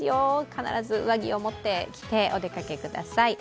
必ず上着を持って、着てお出かけください。